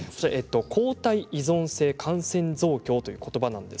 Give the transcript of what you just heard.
抗体依存性感染増強という言葉です。